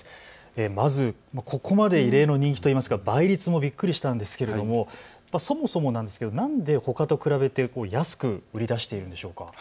まずここまで異例の人気といいますか倍率もびっくりしたんですけれども、そもそもなんですけどなんでほかと比べて安く売り出しているんでしょうか。